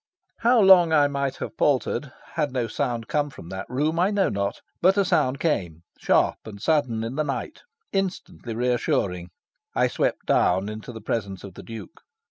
How long I might have paltered, had no sound come from that room, I know not. But a sound came, sharp and sudden in the night, instantly reassuring. I swept down into the presence of the Duke.